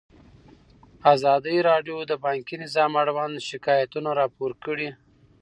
ازادي راډیو د بانکي نظام اړوند شکایتونه راپور کړي.